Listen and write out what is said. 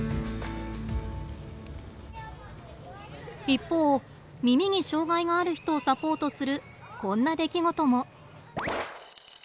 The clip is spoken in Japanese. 一方耳に障害がある人をサポートするこんな出来事も。